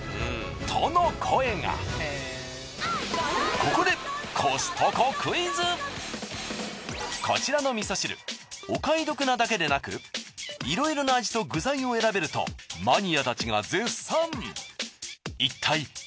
ここでこちらの味噌汁お買い得なだけでなくいろいろな味と具材を選べるとマニアたちが絶賛！